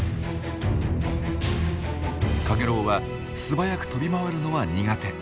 カゲロウは素早く飛び回るのは苦手。